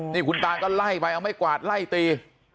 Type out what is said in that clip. นี่คุณตาก็ไล่ไปเอาไม้กวาดไล่ตี